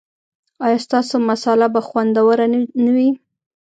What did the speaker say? ایا ستاسو مصاله به خوندوره نه وي؟